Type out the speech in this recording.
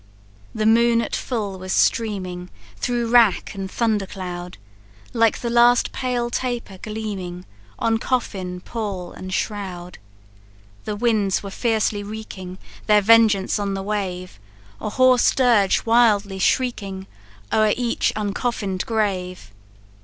"The moon at full was streaming Through rack and thunder cloud, Like the last pale taper gleaming On coffin, pall, and shroud. The winds were fiercely wreaking Their vengeance on the wave, A hoarse dirge wildly shrieking O'er each uncoffin'd grave.